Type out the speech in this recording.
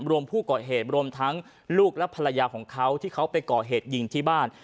รวมผู้ก่อเหตุรวมทั้งลูกและภรรยาของเขาที่เขาไปก่อเหตุยิงที่บ้าน